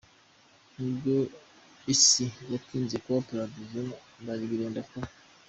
Nubwo isi yatinze kuba paradizo, birenda kuba.